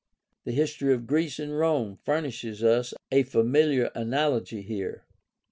The history of Greece and Rome furnishes us a familiar analogy here.